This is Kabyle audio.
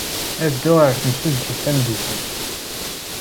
Ad dduɣ ɣer temsujjit tameddit-a.